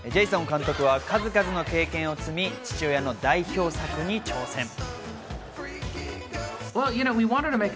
ジェイソン監督は数々の経験を積み、父親の代表作に挑戦。